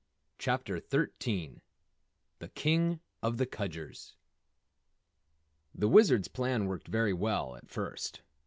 CHAPTER 13 The King of the Kudgers The Wizard's plan worked very well, at first.